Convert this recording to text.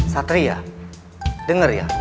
satria dengar ya